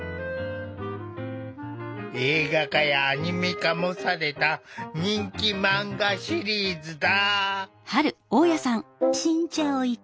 映画化やアニメ化もされた人気マンガシリーズだ。